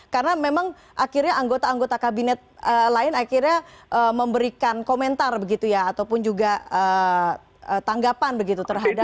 karena memang akhirnya anggota anggota kabinet lain akhirnya memberikan komentar begitu ya ataupun juga tanggapan begitu terhadap